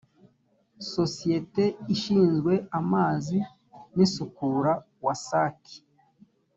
sosiyete ishinzwe amazi n isukura wasac